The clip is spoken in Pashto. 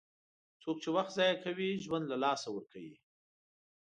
څوک چې وخت ضایع کوي، ژوند له لاسه ورکوي.